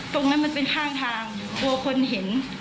ตรงนั้นมันเป็นทางกลัวคนเห็น